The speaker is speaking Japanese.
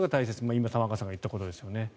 今、玉川さんが言ったことですよね。